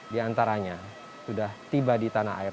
delapan puluh tiga diantaranya sudah tiba di tanah air